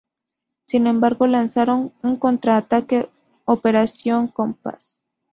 Sin embargo lanzaron un contraataque, Operación Compass.